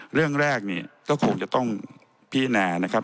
เรื่องแรกเนี่ยก็คงจะต้องพิจารณานะครับ